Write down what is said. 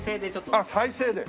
あっ再生で。